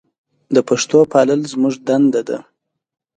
د پښتو پالل زموږ دنده ده.